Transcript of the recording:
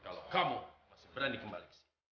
kalau kamu masih berani kembali